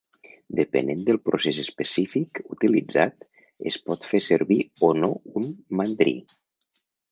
Depenent del procés específic utilitzat, es pot fer servir o no un mandrí.